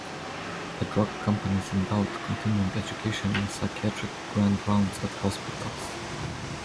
The drug companies endowed continuing education and psychiatric "grand rounds" at hospitals.